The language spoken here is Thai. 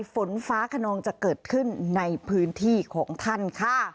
ฝนฟ้าขนองจะเกิดขึ้นในพื้นที่ของท่านค่ะ